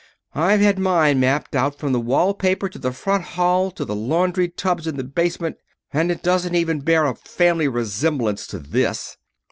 I've had mine mapped out from the wall paper in the front hall to the laundry tubs in the basement, and it doesn't even bear a family resemblance to this."